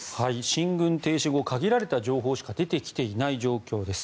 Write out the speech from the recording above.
進軍停止後限られた情報しか出てきていない状況です。